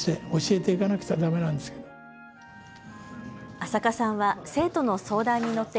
安積さんは生徒の相談に乗って